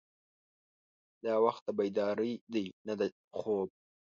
دا وخت د بیدارۍ دی نه د خوب.